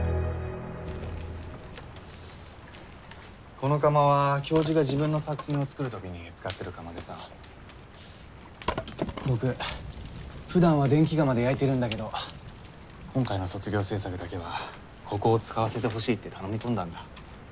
この窯は教授が自分の作品を作る時に使ってる窯でさ僕ふだんは電気窯で焼いてるんだけど今回の卒業制作だけはここを使わせてほしいって頼み込んだんだ。